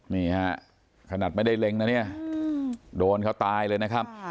นี่ฮะขนาดไม่ได้เล็งนะเนี่ยโดนเขาตายเลยนะครับ